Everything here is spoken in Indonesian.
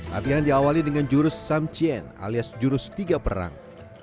latihan diawali dengan jurus sam chen alias jurus tiga perang